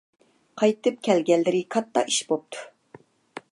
قايتىپ كەلگەنلىرى كاتتا ئىش بوپتۇ.